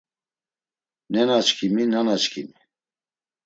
Nenaçkimi nanaçkimi.